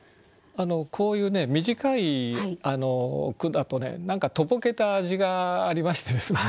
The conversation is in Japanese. こういうね短い句だとね何かとぼけた味がありましてですね